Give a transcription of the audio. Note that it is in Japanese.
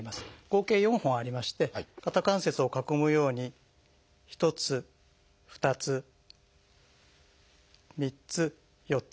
合計４本ありまして肩関節を囲むように１つ２つ３つ４つと。